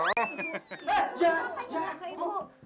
eh jantung apa nih